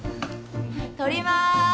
撮ります。